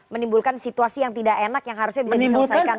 menimbulkan situasi yang tidak enak yang harusnya bisa diselesaikan